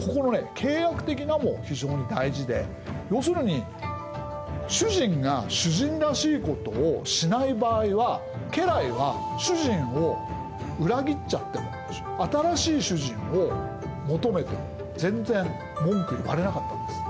「契約的な」も非常に大事で要するに主人が主人らしいことをしない場合は家来は主人を裏切っちゃっても新しい主人を求めても全然文句言われなかったんです。